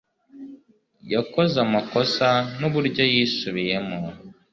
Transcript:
Yakoze amakosa nuburyo yisubiyemo